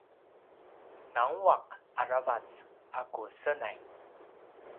nguaq aravac a ku senay